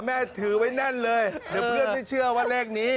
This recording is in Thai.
ถือไว้แน่นเลยเดี๋ยวเพื่อนไม่เชื่อว่าเลขนี้